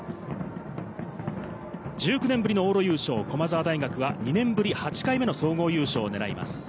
１９年ぶりの往路優勝、駒澤大学は２年ぶり８回目の総合優勝を狙います。